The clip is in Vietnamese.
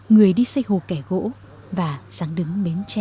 người đi xây hồ kẻ gỗ và sáng đứng bến tre